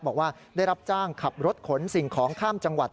บอกว่าได้รับจ้างขับรถขนสิ่งของข้ามจังหวัด